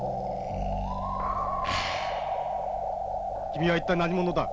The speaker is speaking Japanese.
君は一体何者だ。